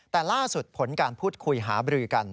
แต่ล่าสุดผลการพูดคุยหาบรือกัน